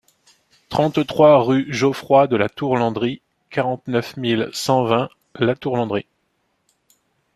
trente-trois rue Geoffroy de la Tour Landry, quarante-neuf mille cent vingt La Tourlandry